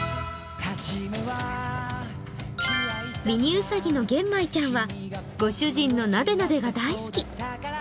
ミニウサギのげんまいちゃんはご主人のなでなでが大好き。